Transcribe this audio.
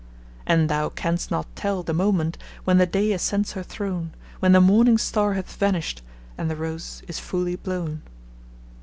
And thou canst not tell the moment when the day ascends her throne, When the morning star hath vanished, and the rose is fully blown.